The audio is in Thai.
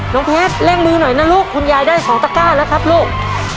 เพชรเร่งมือหน่อยนะลูกคุณยายได้สองตะก้าแล้วครับลูก